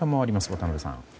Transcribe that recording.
渡辺さん。